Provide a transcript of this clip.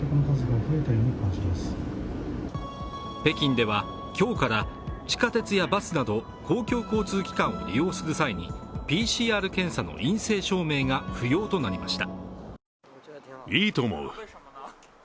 北京では今日から地下鉄やバスなど公共交通機関を利用する際にＰＣＲ検査の陰性証明が不要となりました。